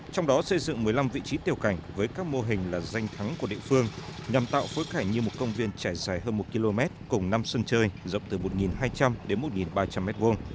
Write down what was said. trong đó xây dựng một mươi năm vị trí tiểu cảnh với các mô hình là danh thắng của địa phương nhằm tạo phối cảnh như một công viên trải dài hơn một km cùng năm sân chơi rộng từ một hai trăm linh đến một ba trăm linh m hai